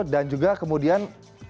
dan juga kemudian